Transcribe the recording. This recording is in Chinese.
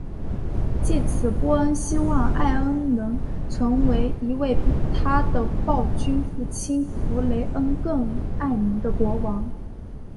藉此波恩希望艾恩能成为一位比他的暴君父亲弗雷恩更爱民的国王。